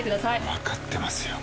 わかってますよ。